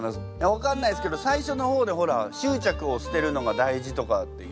分かんないですけど最初の方でほら執着を捨てるのが大事とかって言ってたから。